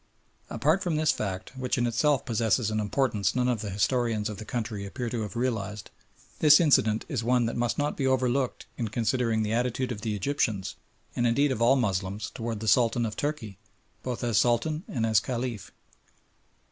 Apart from this fact, which in itself possesses an importance none of the historians of the country appear to have realised, this incident is one that must not be overlooked in considering the attitude of the Egyptians, and indeed of all Moslems, towards the Sultan of Turkey both as Sultan and as Caliph.